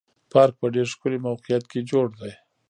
پارک په ډېر ښکلي موقعیت کې جوړ دی.